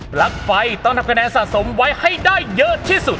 ลั๊กไฟต้องทำคะแนนสะสมไว้ให้ได้เยอะที่สุด